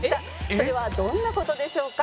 それはどんな事でしょうか？